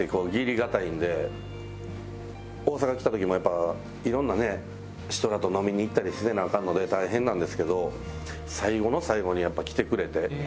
大阪来た時もやっぱ色んな人らと飲みに行ったりせなあかんので大変なんですけど最後の最後にやっぱ来てくれて。